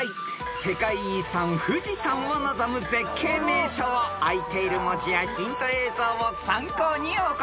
［世界遺産富士山を望む絶景名所をあいている文字やヒント映像を参考にお答えください］